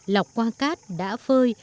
lọc qua cát đã phơi